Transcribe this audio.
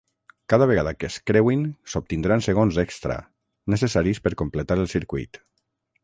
Cada vegada que es creuin, s'obtindran segons extra, necessaris per completar el circuit.